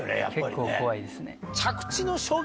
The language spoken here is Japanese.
結構怖いですね。